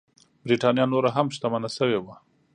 برېټانیا نوره هم شتمنه شوې وه.